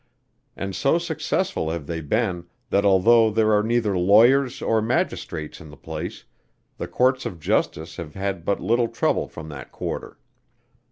and so successful have they been that although there are neither lawyers or magistrates in the place, the Courts of Justice have had but little trouble from that quarter.